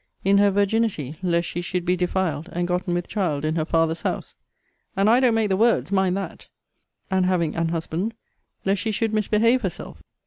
In her virginity, lest she should be defiled, and gotten with child in her father's house [and I don't make the words, mind that.] And, having an husband, lest she should misbehave herself.'